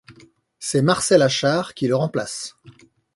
C'est Marcel Achard qui le remplace.